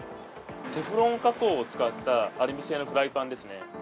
テフロン加工を使ったアルミ製のフライパンですね。